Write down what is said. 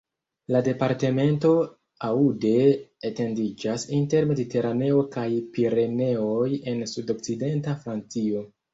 La departemento Aude etendiĝas inter Mediteraneo kaj Pireneoj en sud-okcidenta Francio.